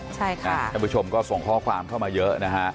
ท่านผู้ชมก็ส่งข้อความเข้ามาเยอะนะฮะ